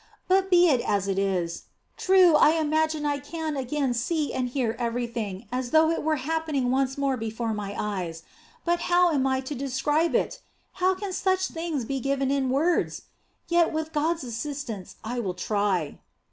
But be it as it is! True, I imagine I can again see and hear everything as though it were happening once more before my eyes, but how am I to describe it? How can such things be given in words? Yet, with God's assistance, I will try."